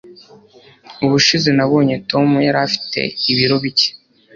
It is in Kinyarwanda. Ubushize nabonye Tom yari afite ibiro bike.